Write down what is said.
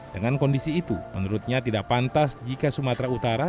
dengan kondisi itu menurutnya tidak pantas jika sumatera utara